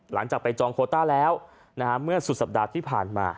หลังจากไปจองโคต้าแล้วเมื่อสุดสัปดาห์ที่ผ่านมา